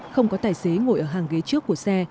không có tài xế ngồi ở hàng ghế trước của xe